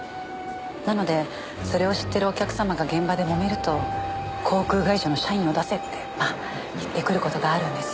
なのでそれを知ってるお客様が現場でもめると航空会社の社員を出せって言ってくる事があるんです。